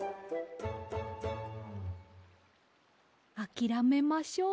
あきらめましょう。